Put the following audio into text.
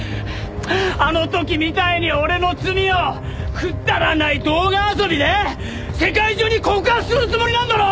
あの時みたいに俺の罪をくだらない動画遊びで世界中に告発するつもりなんだろ！